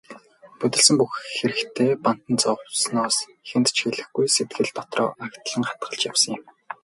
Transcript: Будилсан бүх хэрэгтээ бантан зовсноос хэнд ч хэлэхгүй, сэтгэл дотроо агдлан хадгалж явсан юм.